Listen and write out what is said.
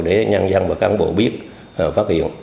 để nhân dân và cán bộ biết phát hiện